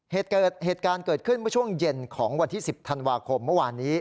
เหตุการณ์เกิดขึ้นเมื่อช่วงเย็นของวันที่๑๐ธันวาคมเมื่อวานนี้